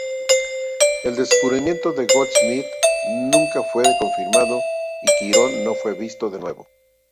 El descubrimiento de Goldschmidt nunca fue confirmado y Quirón no fue visto de nuevo.